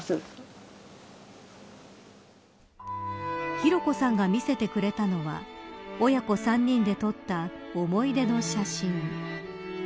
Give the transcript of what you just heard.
寛子さんが見せてくれたのは親子３人で撮った思い出の写真。